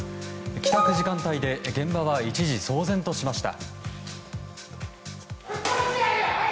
帰宅時間帯で現場は一時騒然としました。